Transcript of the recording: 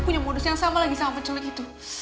punya modus yang sama lagi sama penculik itu